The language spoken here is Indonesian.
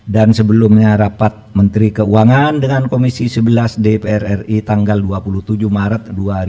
dan sebelumnya rapat menteri keuangan dengan komisi sebelas dpr ri tanggal dua puluh tujuh maret dua ribu dua puluh tiga